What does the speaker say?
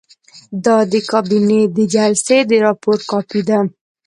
دا د کابینې د جلسې د راپور کاپي ده.